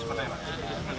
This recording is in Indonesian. kalau ngarani kan mendua